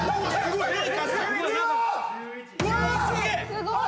すごい。